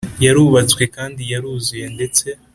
yarubatswe kandi yaruzuye ndetse